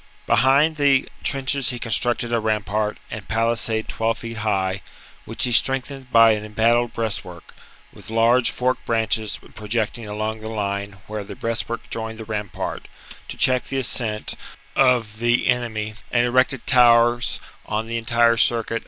Behind the trenches he constructed a rampart and palisade twelve feet high, which he strengthened by an embattled breastwork, with large forked branches projecting along the line where the breastwork joined the rampart, to check the ascent of the VII OF VERCINGETORIX 263 enemy ; and erected towers on the entire circuit 52 b.